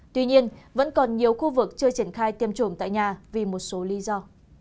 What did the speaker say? tuy nhiên vẫn còn nhiều khu vực chưa triển khai tiêm chủng tại nhà vì một số lý do